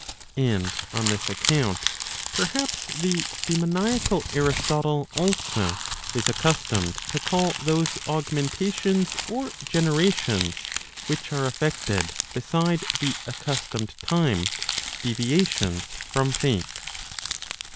And on this account perhaps the daemoniacal Aristotle also is accustomed to call those augmentations or generations which are effected beside the accustomed time, deviations from Fate.